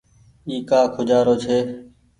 اي ڪآ کوجآرو ڇي۔